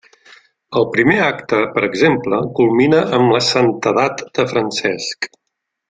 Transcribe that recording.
El primer acte, per exemple, culmina amb la santedat de Francesc.